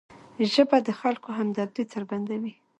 ژبه د خلکو همدردي څرګندوي